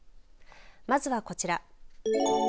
まずはこちら。